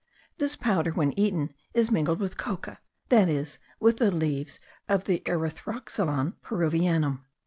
This powder, when eaten, is mingled with coca, that is, with the leaves of the Erythroxylon peruvianum.